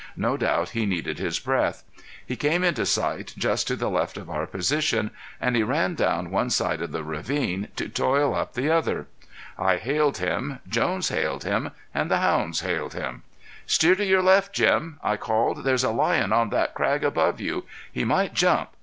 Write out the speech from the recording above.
No doubt he needed his breath. He came into sight just to the left of our position, and he ran down one side of the ravine to toil up the other. I hailed him, Jones hailed him and the hounds hailed him. "Steer to your left Jim!" I called.. "There's a lion on that crag above you. He might jump.